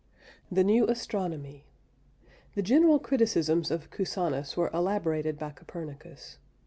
THE NEW ASTRONOMY. The general criticisms of Cusanus were elaborated by Copernicus.